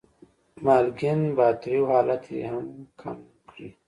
مالګین یا تریو حالت یې کم کړي.